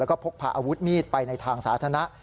แล้วก็พกพาอาวุธมีดไปในทางสาธารณะ